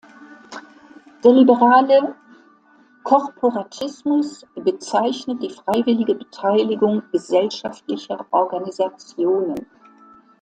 Der liberale Korporatismus bezeichnet die freiwillige Beteiligung gesellschaftlicher Organisationen.